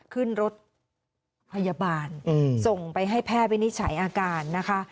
ขึ้นรถพยาบาลส่งไปให้แพทย์วินิจฉัยอาการนะคะ